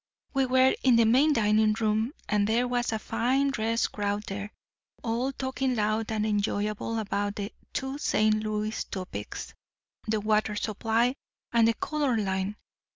"We were in the main dining room, and there was a fine dressed crowd there, all talking loud and enjoyable about the two St. Louis topics, the water supply and the colour line.